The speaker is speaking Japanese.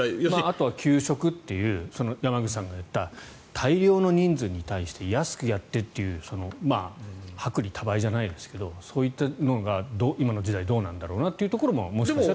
あとは給食という山口さんが言った大量の人数に対して安くやってという薄利多売じゃないですがそういったものが今の時代どうなんだろうなというのももしかしたら。